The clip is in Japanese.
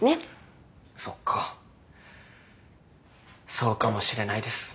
そうかもしれないです。